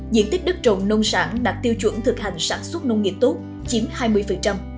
diện tích đất trồng nông sản đạt tiêu chuẩn thực hành sản xuất nông nghiệp tốt chiếm hai mươi